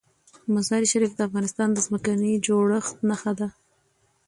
مزارشریف د افغانستان د ځمکې د جوړښت نښه ده.